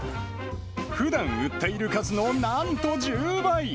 ふだん売っている数のなんと１０倍。